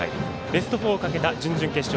ベスト４をかけた準々決勝